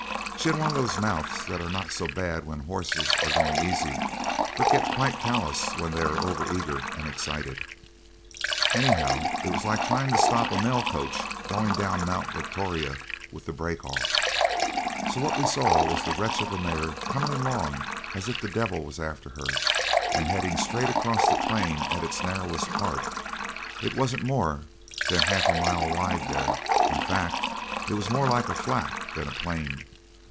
She had one of those mouths that are not so bad when horses are going easy, but get quite callous when they are over eager and excited. Anyhow, it was like trying to stop a mail coach going down Mount Victoria with the brake off. So what we saw was the wretch of a mare coming along as if the devil was after her, and heading straight across the plain at its narrowest part; it wasn't more than half a mile wide there, in fact, it was more like a flat than a plain.